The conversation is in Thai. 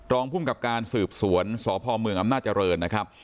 รองภูมิกับการสืบสวนสพเมืองอำนาจเจริญนะครับ